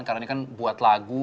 karena ini kan buat lagu